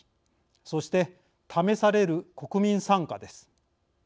そして試される国民参加です。